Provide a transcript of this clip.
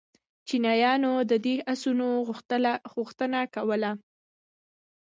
چینایانو د دې آسونو غوښتنه کوله